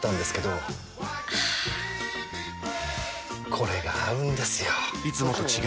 これが合うんですよ！